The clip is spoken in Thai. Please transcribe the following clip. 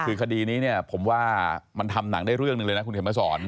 คือคดีนี้เนี่ยผมว่ามันทำหนังได้เรื่องหนึ่งเลยนะคุณเข็มมาสอน